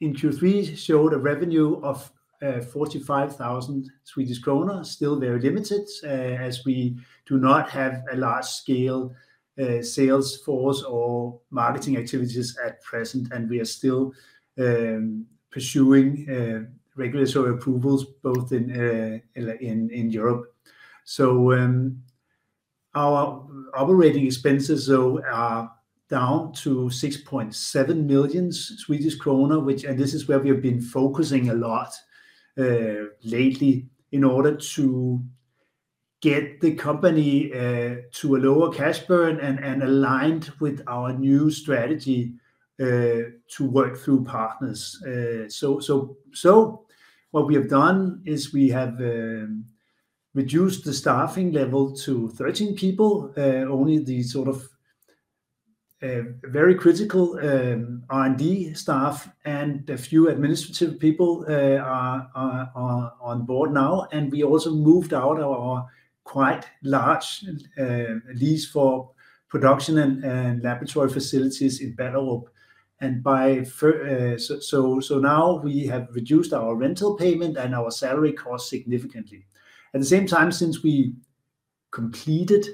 In Q3 showed a revenue of 45,000 Swedish kronor, still very limited, as we do not have a large-scale sales force or marketing activities at present, and we are still pursuing regulatory approvals both in Europe. So, our operating expenses, though, are down to 6.7 million Swedish kronor, which, and this is where we have been focusing a lot lately in order to get the company to a lower cash burn and aligned with our new strategy to work through partners. So what we have done is we have reduced the staffing level to 13 people. Only the sort of very critical R&D staff and a few administrative people are on board now, and we also moved out our quite large lease for production and laboratory facilities in Ballerup. So now we have reduced our rental payment and our salary costs significantly. At the same time, since we completed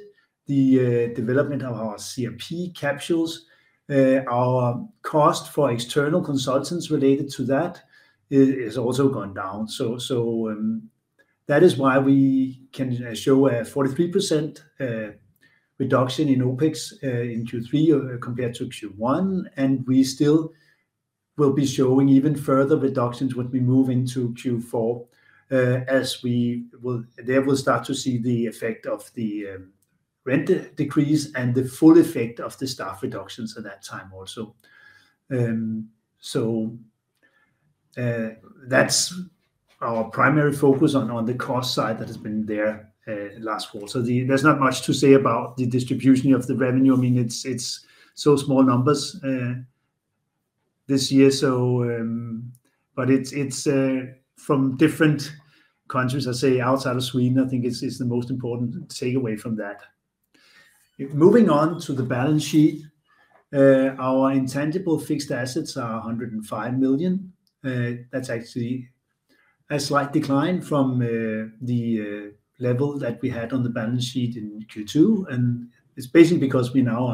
the development of our CRP capsules, our cost for external consultants related to that is also gone down. So that is why we can show a 43% reduction in OpEx in Q3 compared to Q1, and we still will be showing even further reductions when we move into Q4, as we'll start to see the effect of the rent decrease and the full effect of the staff reductions at that time also. So, that's our primary focus on, on the cost side that has been there, last quarter. There's not much to say about the distribution of the revenue. I mean, it's, it's so small numbers, this year, so... but it's, it's, from different countries, I say, outside of Sweden, I think is, is the most important takeaway from that. Moving on to the balance sheet, our intangible fixed assets are 105 million. That's actually a slight decline from the level that we had on the balance sheet in Q2, and it's basically because we now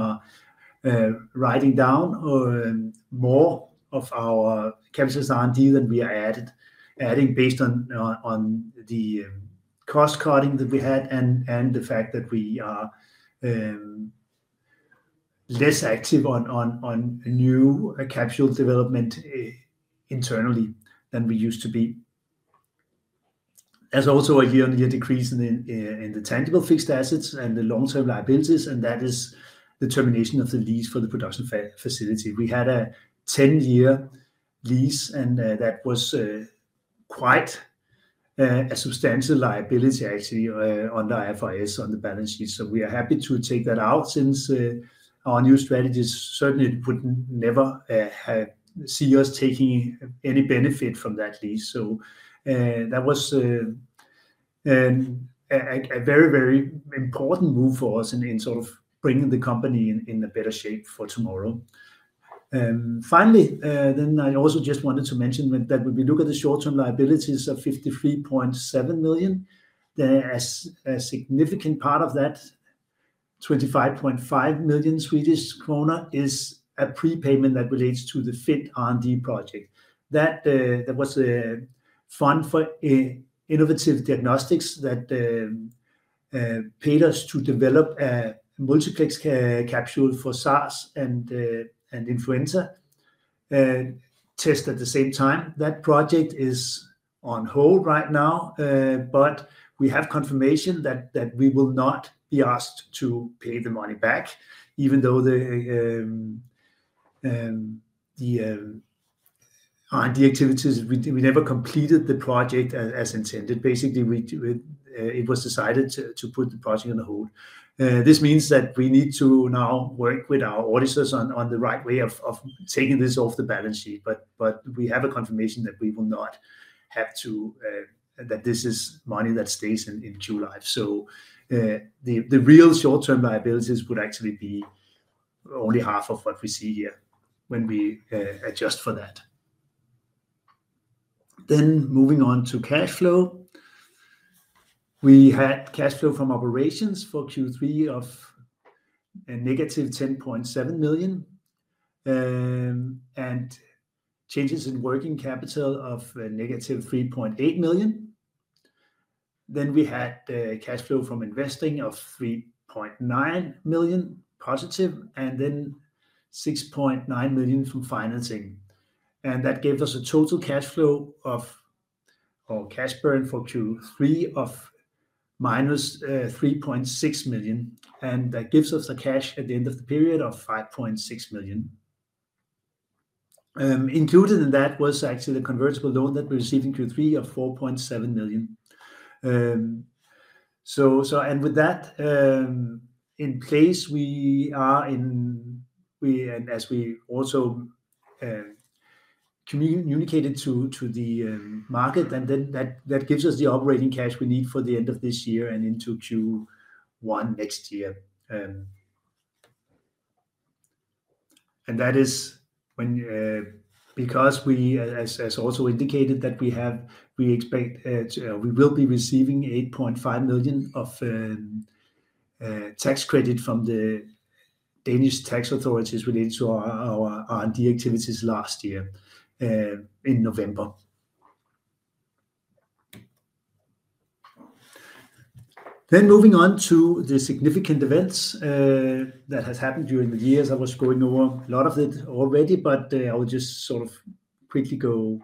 are writing down more of our capsules R&D than we are adding based on the cost cutting that we had and the fact that we are less active on new capsule development internally than we used to be. There's also a year-on-year decrease in the tangible fixed assets and the long-term liabilities, and that is the termination of the lease for the production facility. We had a 10-year lease, and that was quite a substantial liability actually under IFRS on the balance sheet. So we are happy to take that out since our new strategies certainly would never have see us taking any benefit from that lease. So that was a very, very important move for us in sort of bringing the company in a better shape for tomorrow. Finally, then I also just wanted to mention that when we look at the short-term liabilities of 53.7 million, a significant part of that, 25.5 million Swedish krona, is a prepayment that relates to the FIND R&D project. That was a fund for innovative diagnostics that paid us to develop a multiplex capsule for SARS and influenza test at the same time. That project is on hold right now, but we have confirmation that we will not be asked to pay the money back, even though the R&D activities, we never completed the project as intended. Basically, it was decided to put the project on hold. This means that we need to now work with our auditors on the right way of taking this off the balance sheet. But we have a confirmation that we will not have to... that this is money that stays in Qlife. So, the real short-term liabilities would actually be only half of what we see here when we adjust for that. Then moving on to cash flow. We had cash flow from operations for Q3 of -10.7 million, and changes in working capital of 3.8 million. Then we had cash flow from investing of 3.9 million positive and then 6.9 million from financing, and that gave us a total cash flow of or cash burn for Q3 of -3.6 million, and that gives us a cash at the end of the period of 5.6 million. Included in that was actually the convertible loan that we received in Q3 of 4.7 million. So, with that in place, we are in and as we also communicated to the market, then that gives us the operating cash we need for the end of this year and into Q1 next year. And that is when, because we, as also indicated, that we have, we expect we will be receiving 8.5 million of tax credit from the Danish tax authorities related to our R&D activities last year, in November. Then moving on to the significant events that has happened during the year. I was going over a lot of it already, but I will just sort of quickly go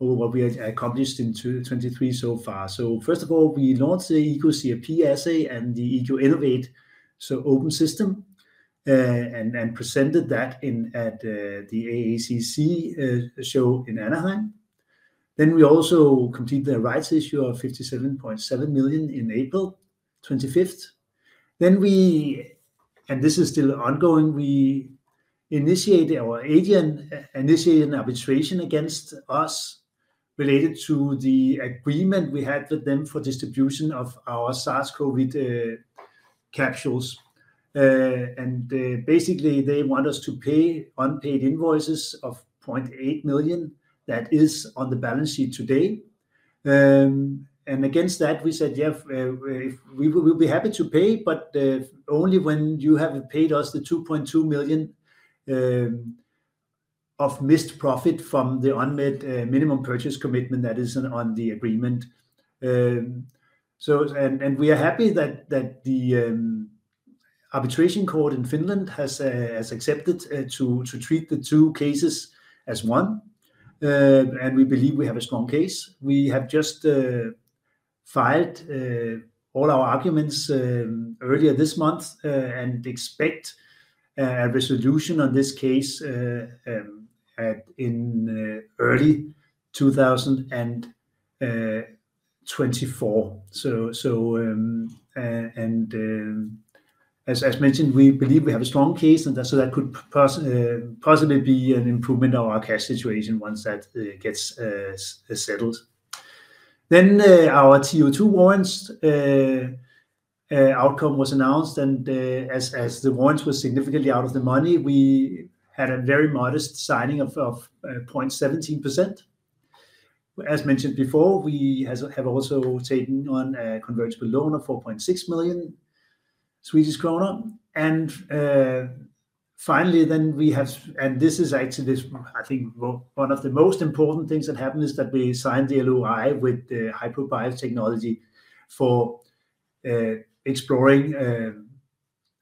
over what we accomplished in 2023 so far. So first of all, we launched the Egoo CRP assay and the Egoo Innovate, so open system, and presented that in, at, the AACC show in Anaheim. Then we also completed a rights issue of 57.7 million in April 25. Then we and this is still ongoing, Aidian initiated an arbitration against us related to the agreement we had with them for distribution of our SARS COVID capsules. And, basically, they want us to pay unpaid invoices of 0.8 million. That is on the balance sheet today. And against that, we said, "Yeah, we'll be happy to pay, but only when you have paid us the 2.2 million of missed profit from the unmet minimum purchase commitment that is on the agreement." So and we are happy that the arbitration court in Finland has accepted to treat the two cases as one. And we believe we have a strong case. We have just filed all our arguments earlier this month and expect a resolution on this case in early 2024. So, as mentioned, we believe we have a strong case, and so that could possibly be an improvement of our cash situation once that gets settled. Then, our Q2 warrants outcome was announced, and, as the warrants were significantly out of the money, we had a very modest signing of 0.17%. As mentioned before, we have also taken on a convertible loan of 4.6 million Swedish kronor. And, finally, then we have, and this is actually, I think one of the most important things that happened is that we signed the LOI with the Hipro Biotechnology for exploring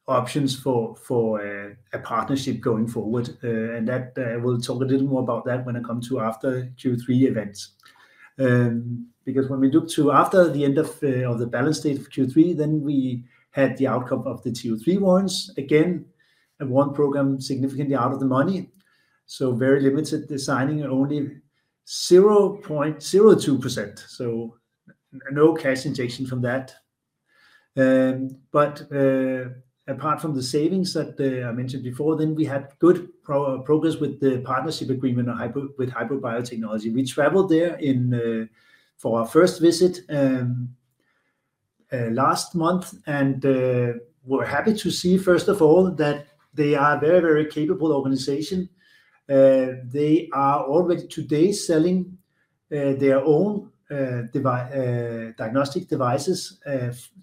options for a partnership going forward. And that, we'll talk a little more about that when it come to after Q3 events. Because when we look to after the end of the balance date of Q3, then we had the outcome of the Q3 warrants again, and one program significantly out of the money. So very limited, the signing only 0.02%, so no cash injection from that. But apart from the savings that I mentioned before, then we had good progress with the partnership agreement on Hipro, with Hipro Biotechnology. We traveled there in for our first visit last month, and we're happy to see, first of all, that they are a very, very capable organization. They are already today selling their own diagnostic devices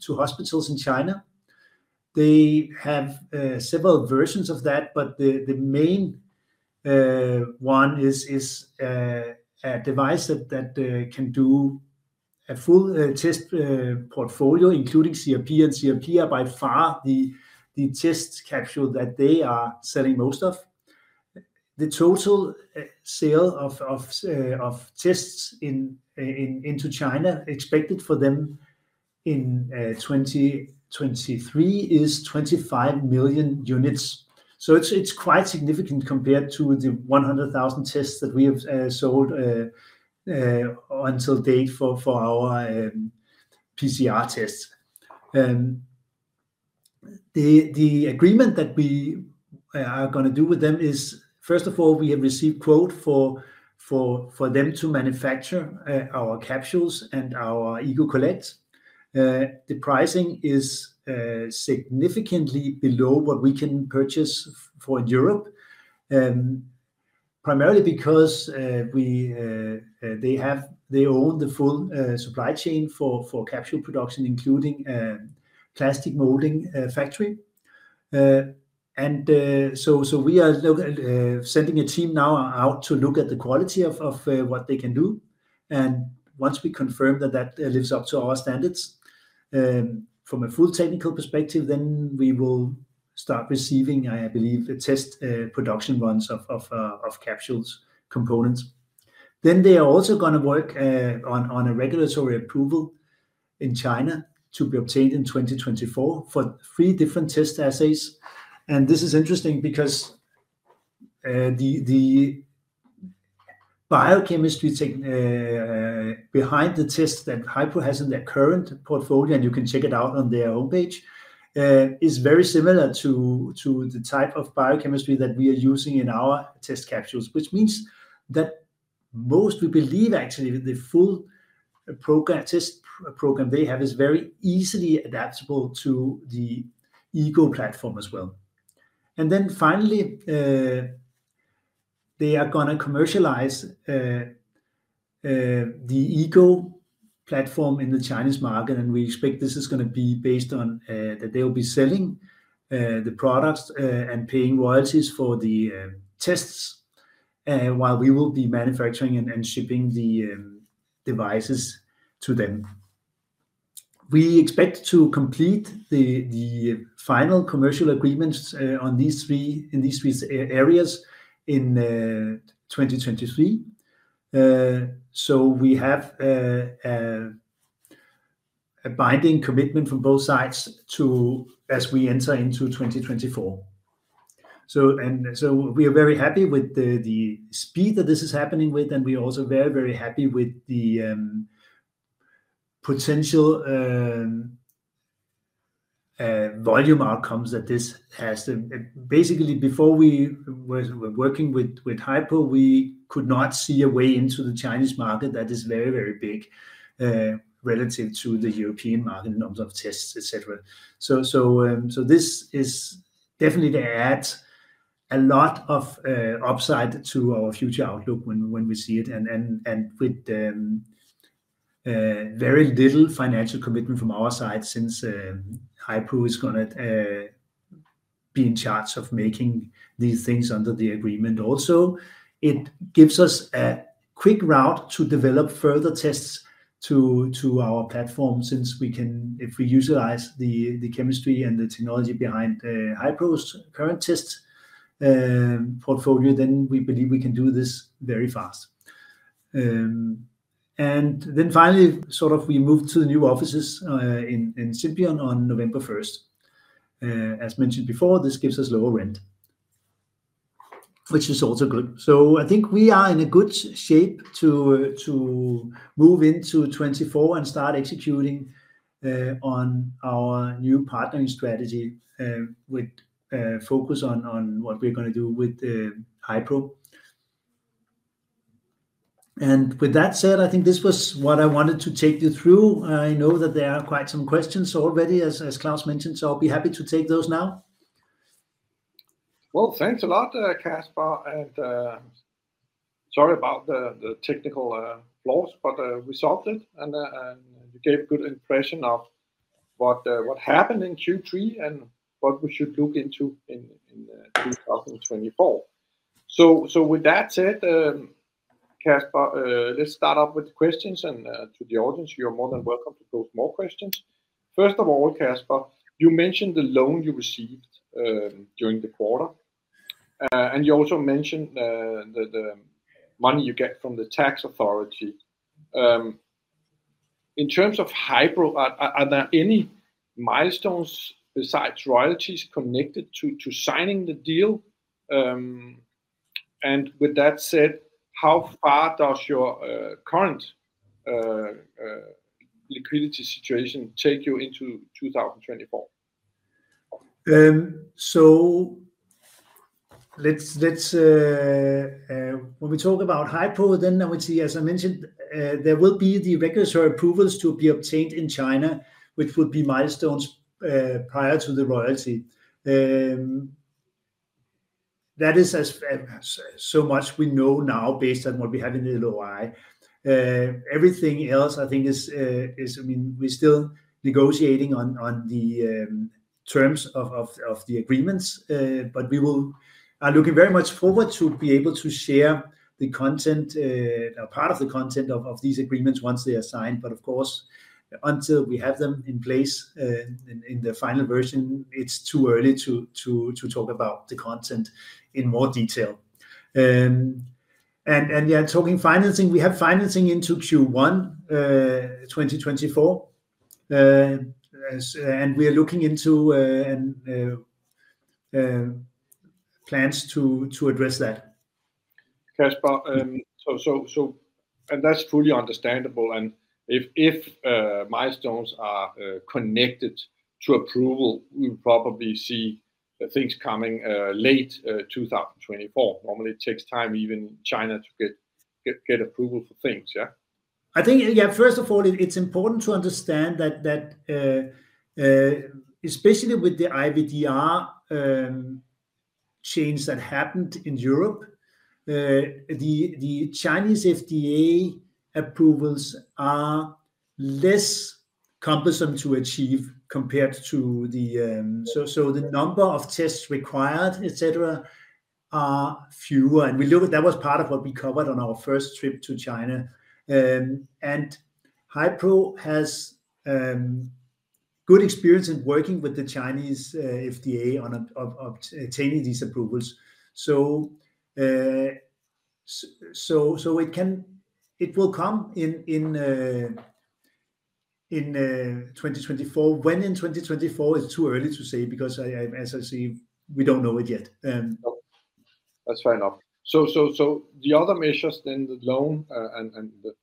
to hospitals in China. They have several versions of that, but the main one is a device that can do a full test portfolio, including CRP, and CRP are by far the test capsule that they are selling most of. The total sale of tests into China expected for them in 2023 is 25 million units. So it's quite significant compared to the 100,000 tests that we have sold to date for our PCR tests. The agreement that we are gonna do with them is, first of all, we have received quote for them to manufacture our capsules and our Egoo Collect. The pricing is significantly below what we can purchase for Europe, primarily because they have... They own the full supply chain for capsule production, including plastic molding factory. And so we are sending a team now out to look at the quality of what they can do, and once we confirm that that lives up to our standards from a full technical perspective, then we will start receiving, I believe, the test production runs of capsules components. Then they are also gonna work on a regulatory approval in China to be obtained in 2024 for three different test assays. And this is interesting because the biochemistry tech behind the test that Hypo has in their current portfolio, and you can check it out on their own page, is very similar to the type of biochemistry that we are using in our test capsules, which means that. Most we believe actually that the full program test program they have is very easily adaptable to the Egoo platform as well. And then finally, they are gonna commercialize the Egoo platform in the Chinese market, and we expect this is gonna be based on that they will be selling the products and paying royalties for the tests while we will be manufacturing and shipping the devices to them. We expect to complete the final commercial agreements on these three in these three areas in 2023. So we have a binding commitment from both sides to as we enter into 2024. So we are very happy with the speed that this is happening with, and we are also very, very happy with the potential volume outcomes that this has. Basically, before we were working with Hipro, we could not see a way into the Chinese market that is very, very big relative to the European market in terms of tests, et cetera. So this is definitely to add a lot of upside to our future outlook when we see it, and with very little financial commitment from our side, since Hipro is gonna be in charge of making these things under the agreement. Also, it gives us a quick route to develop further tests to our platform, since we can if we utilize the chemistry and the technology behind Hipro's current test portfolio, then we believe we can do this very fast. And then finally, sort of, we moved to the new offices in Scipion on November first. As mentioned before, this gives us lower rent, which is also good. So I think we are in a good shape to move into 2024 and start executing on our new partnering strategy with focus on what we're gonna do with Hipro. And with that said, I think this was what I wanted to take you through. I know that there are quite some questions already, as Klaus mentioned, so I'll be happy to take those now. Well, thanks a lot, Kasper, and sorry about the technical flaws, but we solved it, and you gave a good impression of what happened in Q3 and what we should look into in 2024. So, with that said, Kasper, let's start off with questions and to the audience, you're more than welcome to pose more questions. First of all, Kasper, you mentioned the loan you received during the quarter, and you also mentioned the money you get from the tax authority. In terms of Hipro, are there any milestones besides royalties connected to signing the deal? And with that said, how far does your current liquidity situation take you into 2024? So, when we talk about Hipro, then I would say, as I mentioned, there will be the regulatory approvals to be obtained in China, which would be milestones prior to the royalty. That is as much as we know now, based on what we have in the LOI. Everything else, I think is, I mean, we're still negotiating on the terms of the agreements. But we are looking very much forward to be able to share the content, part of the content of these agreements once they are signed. But of course, until we have them in place, in the final version, it's too early to talk about the content in more detail. Talking financing, we have financing into Q1 2024. We are looking into plans to address that. Kasper, so and that's fully understandable, and if milestones are connected to approval, we'll probably see things coming late 2024. Normally it takes time, even China, to get approval for things, yeah? I think, yeah, first of all, it's important to understand that, that, especially with the IVDR change that happened in Europe, the Chinese FDA approvals are less cumbersome to achieve compared to the. So the number of tests required, et cetera, are fewer. And we look—that was part of what we covered on our first trip to China. And Hipro has good experience in working with the Chinese FDA on obtaining these approvals. So it will come in 2024. When in 2024, it's too early to say, because I as I say, we don't know it yet. That's fair enough. So the other measures then, the loan and the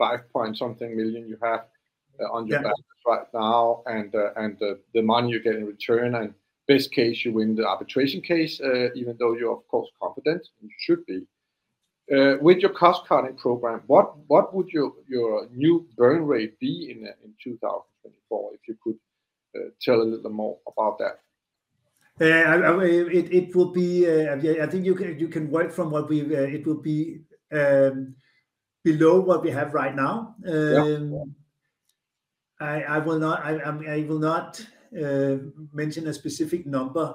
SEK 5.something million you have on your balance- Yeah Right now, and the money you get in return, and best case, you win the arbitration case, even though you're of course confident, and you should be. With your cost-cutting program, what would your new burn rate be in 2024? If you could tell a little more about that. It will be... Yeah, I think you can work from what we've... It will be below what we have right now. Yeah. I will not mention a specific number,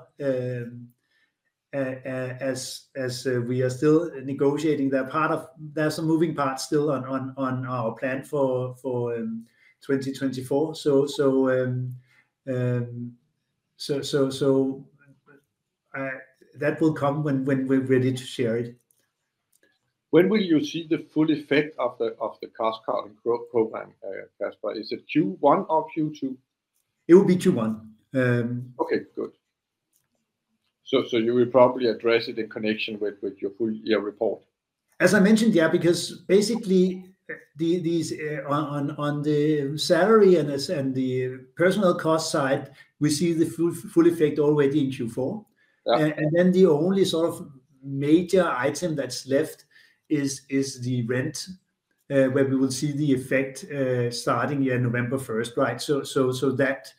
as we are still negotiating. There are some moving parts still on our plan for 2024. So, that will come when we're ready to share it. When will you see the full effect of the cost cutting program, Kasper? Is it Q1 or Q2? It will be Q1. Okay, good. So you will probably address it in connection with your full year report? As I mentioned, yeah, because basically, these on the salary and the personal cost side, we see the full effect already in Q4. Yeah. And then the only sort of major item that's left is the rent, where we will see the effect starting November first, right? So that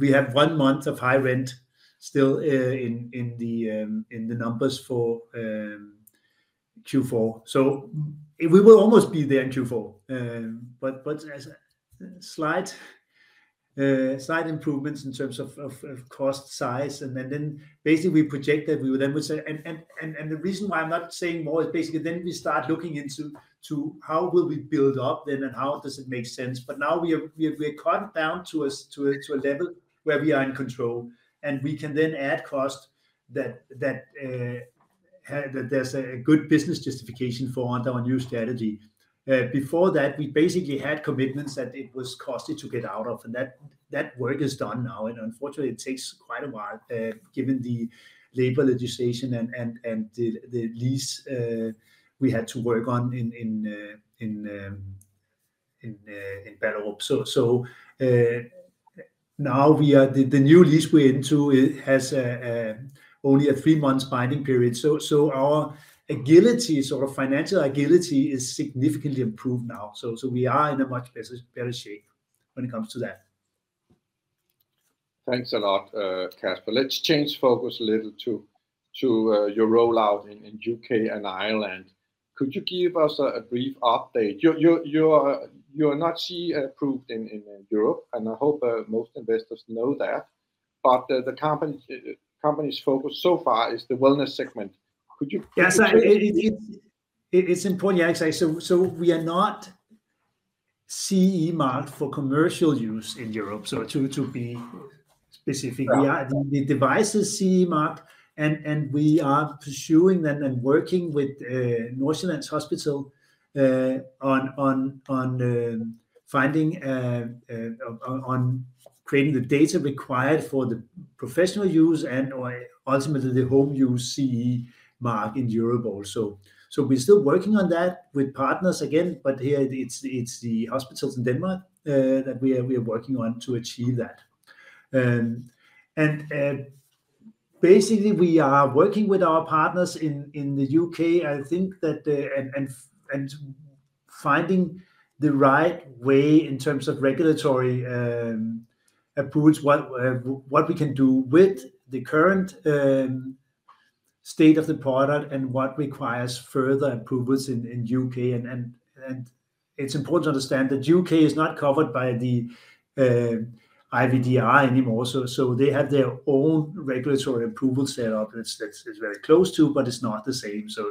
we have one month of high rent still in the numbers for Q4. So we will almost be there in Q4. But as a slight improvement in terms of cost size, and then basically we project that we will then say... And the reason why I'm not saying more is basically then we start looking into how will we build up then and how does it make sense? But now we have we are cut down to a level where we are in control, and we can then add cost that there's a good business justification for on our new strategy. Before that, we basically had commitments that it was costly to get out of, and that work is done now, and unfortunately, it takes quite a while, given the labor legislation and the lease we had to work on in Ballerup. Now we are... The new lease we're into, it has only a three-month binding period. Our agility, sort of financial agility, is significantly improved now. We are in a much better shape when it comes to that. Thanks a lot, Kasper. Let's change focus a little to your rollout in UK and Ireland. Could you give us a brief update? You're not CE approved in Europe, and I hope most investors know that, but the company's focus so far is the wellness segment. Could you. Yes. It's important you ask that. So we are not CE marked for commercial use in Europe. So to be specific. Yeah The device is CE marked, and we are pursuing that and working with North Zealand Hospital on creating the data required for the professional use and, or ultimately the home use CE mark in Europe also. So we're still working on that with partners again, but here it's the hospitals in Denmark that we are working on to achieve that. And basically, we are working with our partners in the U.K. I think that and finding the right way in terms of regulatory approvals, what we can do with the current state of the product and what requires further approvals in the U.K. and it's important to understand that U.K. is not covered by the IVDR anymore. So, they have their own regulatory approval set up that's very close to, but it's not the same. So,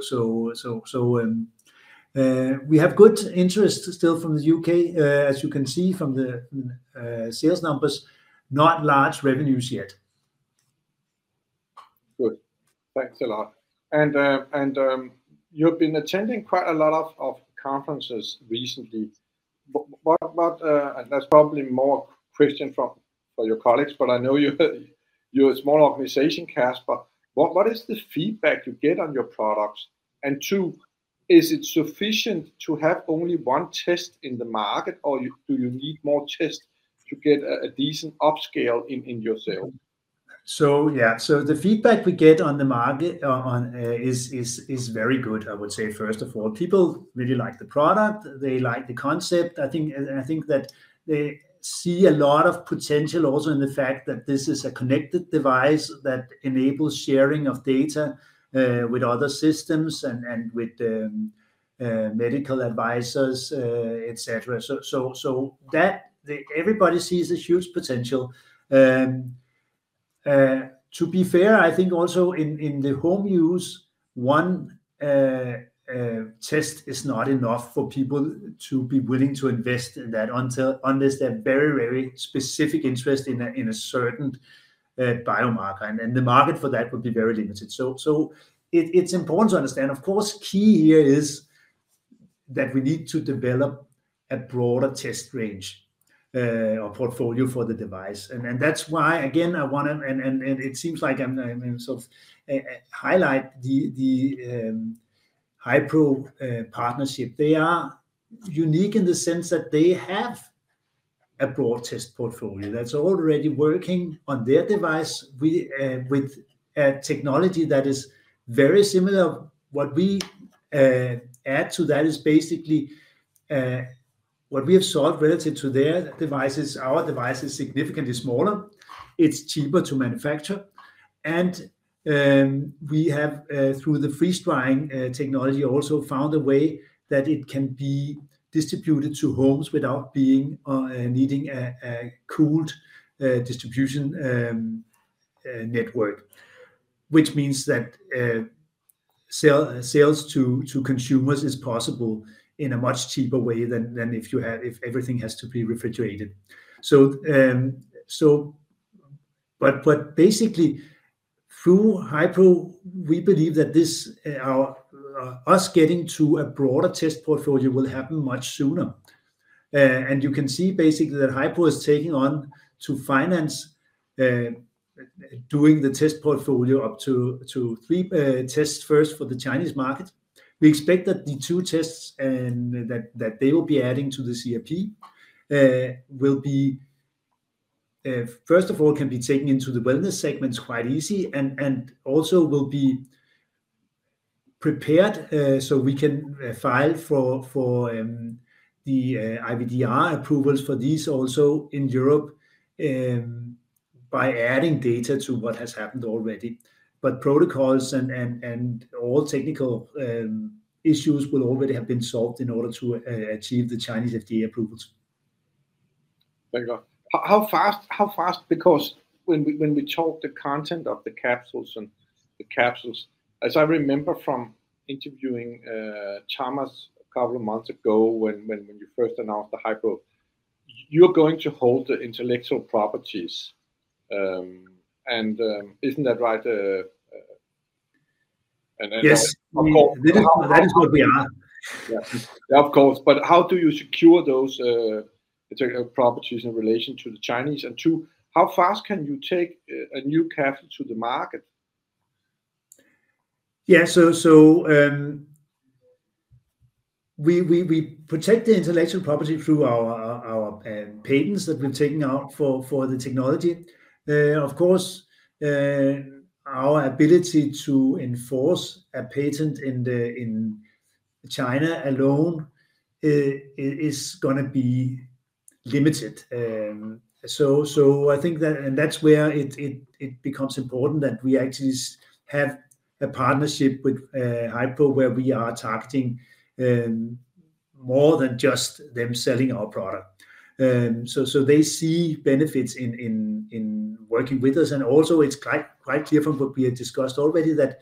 we have good interest still from the UK, as you can see from the sales numbers. Not large revenues yet. Good. Thanks a lot. And, you've been attending quite a lot of conferences recently. What... and that's probably more a question from your colleagues, but I know you're a small organization, Kasper. What is the feedback you get on your products? And two, is it sufficient to have only one test in the market, or do you need more tests to get a decent upscale in your sale? So yeah. So the feedback we get on the market is very good, I would say first of all. People really like the product. They like the concept. I think, and I think that they see a lot of potential also in the fact that this is a connected device that enables sharing of data with other systems and with medical advisors, et cetera. So that everybody sees a huge potential. To be fair, I think also in the home use, one test is not enough for people to be willing to invest in that until unless they have very, very specific interest in a certain biomarker. And then the market for that would be very limited. So it’s important to understand, of course, key here is that we need to develop a broader test range or portfolio for the device. And that’s why, again, I want to highlight the Hipro partnership. They are unique in the sense that they have a broad test portfolio that’s already working on their device with a technology that is very similar. What we add to that is basically what we have solved relative to their devices. Our device is significantly smaller, it’s cheaper to manufacture, and we have, through the freeze drying technology, also found a way that it can be distributed to homes without needing a cooled distribution network. Which means that sales to consumers is possible in a much cheaper way than if everything has to be refrigerated. But basically, through Hipro, we believe that this us getting to a broader test portfolio will happen much sooner. And you can see basically that Hipro is taking on to finance doing the test portfolio up to three tests first for the Chinese market. We expect that the two tests and that they will be adding to the CRP will be first of all can be taken into the wellness segments quite easy and also will be prepared so we can file for the IVDR approvals for these also in Europe by adding data to what has happened already. But protocols and all technical issues will already have been solved in order to achieve the Chinese FDA approvals. Very good. How fast? How fast, because when we talk the content of the capsules and the capsules, as I remember from interviewing Thomas a couple of months ago, when you first announced the Hipro, you're going to hold the intellectual properties. And, isn't that right, and then- Yes. Um, well That is what we are. Yes. Of course. But how do you secure those, intellectual properties in relation to the Chinese? And two, how fast can you take a new capsule to the market? Yeah. So, we protect the intellectual property through our patents that we've taken out for the technology. Of course, our ability to enforce a patent in China alone is gonna be limited. So, I think that. And that's where it bEgoomes important that we actually have a partnership with Hipro, where we are targeting more than just them selling our product. So, they see benefits in working with us. And also it's quite clear from what we have discussed already, that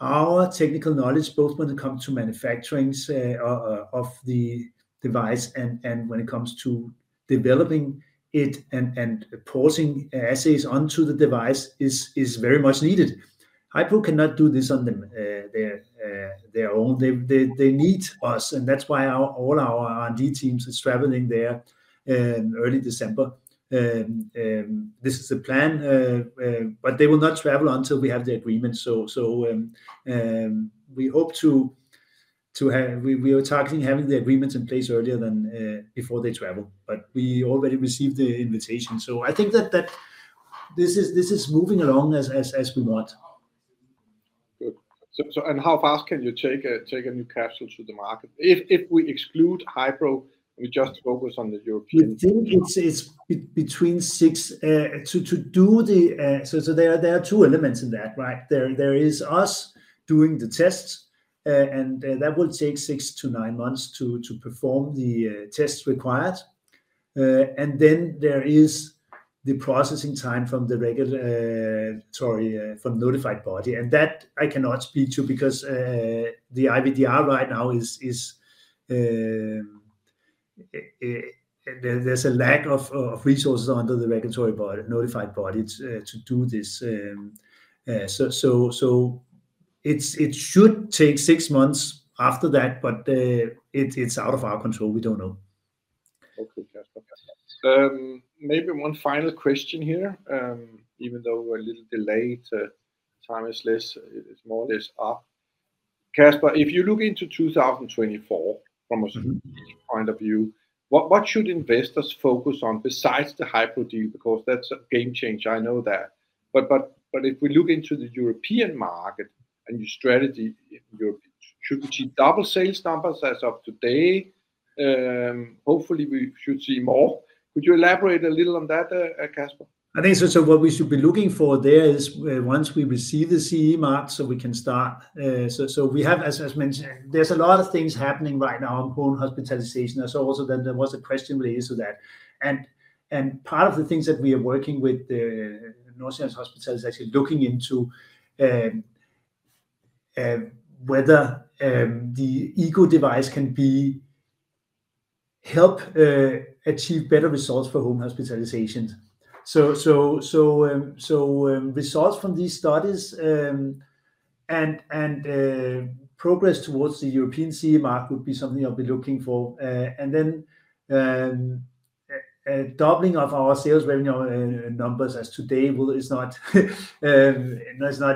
our technical knowledge, both when it comes to manufacturing, say, of the device and when it comes to developing it and positioning assays onto the device, is very much needed. Hipro cannot do this on their own. They need us, and that's why all our R&D teams is traveling there in early December. This is a plan, but they will not travel until we have the agreement. So, we hope to have - we are targeting having the agreements in place earlier than before they travel, but we already received the invitation. So I think that this is moving along as we want. Good. So, how fast can you take a new capsule to the market? If we exclude Hipro, and we just focus on the European We think it's between six to do the. So there are two elements in that, right? There is us doing the tests, and that will take six-nine months to perform the tests required. And then there is the processing time from the regulatory from the notified body. And that I cannot speak to because the IVDR right now is, there's a lack of resources under the regulatory body, notified body to do this. So it should take 6 months after that, but it's out of our control. We don't know. Okay, Kasper. Maybe one final question here. Even though we're a little delayed, time is less, it's more or less up. Kasper, if you look into 2024 from a Mm-hmm Point of view, what should investors focus on besides the Hipro deal? Because that's a game changer, I know that. But if we look into the European market and your strategy, Europe, should we see double sales numbers as of today? Hopefully, we should see more. Could you elaborate a little on that, Kasper? I think so, so what we should be looking for there is, once we receive the CE mark, so we can start. So we have, as mentioned, there's a lot of things happening right now on home hospitalization. I saw also that there was a question raised to that. And part of the things that we are working with the North Zealand Hospital is actually looking into whether the Egoo device can help achieve better results for home hospitalizations. So results from these studies and progress towards the European CE mark would be something I'll be looking for. And then a doubling of our sales revenue numbers as today, well, is not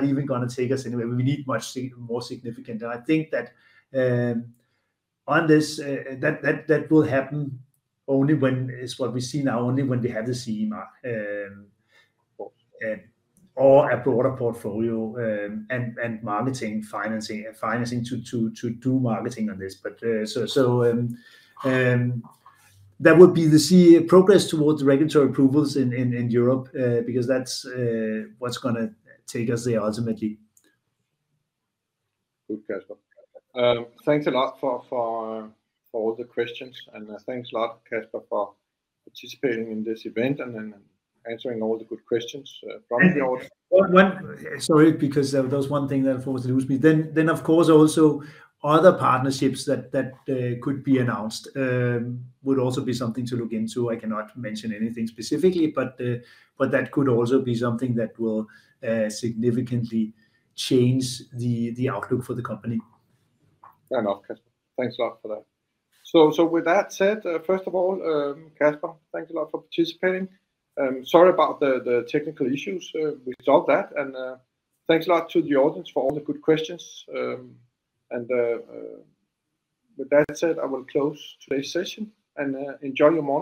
even gonna take us anywhere. We need much more significant. I think that on this, that will happen only when... is what we see now, only when we have the CE mark. Or a broader portfolio, and marketing, financing to do marketing on this. But so that would be the key progress towards the regulatory approvals in Europe, because that's what's gonna take us there ultimately. Good, Kasper. Thanks a lot for all the questions, and thanks a lot, Kasper, for participating in this event and answering all the good questions from the audience. Sorry, because there was one thing that unfortunately was me. Then, of course, also other partnerships that could be announced would also be something to look into. I cannot mention anything specifically, but that could also be something that will significantly change the outlook for the company. Fair enough, Kasper. Thanks a lot for that. So, with that said, first of all, Kasper, thank you a lot for participating. Sorry about the technical issues. We solved that. Thanks a lot to the audience for all the good questions. And with that said, I will close today's session, and enjoy your morning!